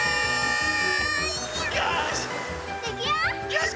よし！